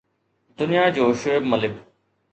دنيا جو شعيب ملڪ